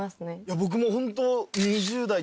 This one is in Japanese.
僕もホント。